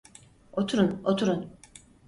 Oturun, oturun.